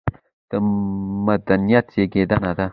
د مدنيت زېږنده دى